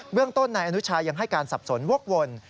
เรื่องต้นนายอนุชายังให้การสับสนวกวน